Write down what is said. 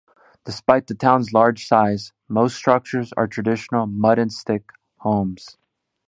Despite the town's large size, most structures are traditional mud-and-stick homes.